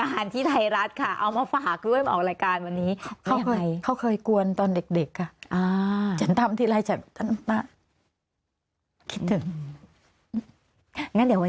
สนิทมากค่ะสนิทมากเลย